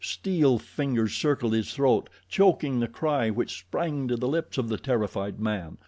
Steel fingers circled his throat, choking the cry which sprang to the lips of the terrified man.